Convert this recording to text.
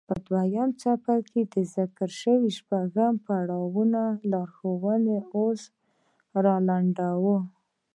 په دويم څپرکي کې د ذکر شويو شپږو پړاوونو لارښوونې اوس را لنډوو.